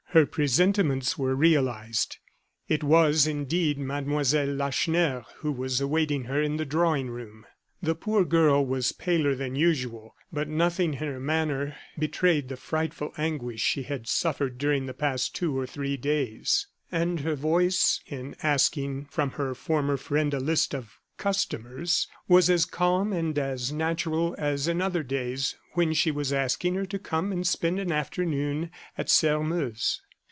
Her presentiments were realized. It was, indeed, Mlle. Lacheneur who was awaiting her in the drawing room. The poor girl was paler than usual; but nothing in her manner betrayed the frightful anguish she had suffered during the past two or three days. And her voice, in asking from her former friend a list of "customers," was as calm and as natural as in other days, when she was asking her to come and spend an afternoon at Sairmeuse.